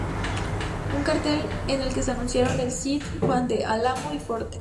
Un cartel en el que se anunciaron El Cid, Juan del Álamo y Fortes.